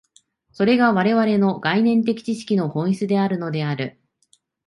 それが我々の概念的知識の本質であるのである。